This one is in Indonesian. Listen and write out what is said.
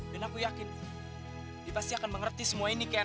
dan aku yakin dia pasti akan mengerti semua ini ken